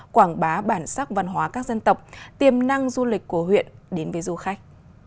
quảng bá bản sắc văn hóa các dân tộc tiềm năng du lịch của huyện đến với du khách